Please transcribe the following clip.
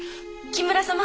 木村様。